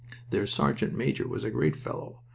Their sergeant major was a great fellow!